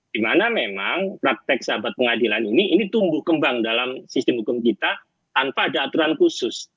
dimana memang praktek sahabat pengadilan ini ini tumbuh kembang dalam sistem hukum kita tanpa ada aturan khusus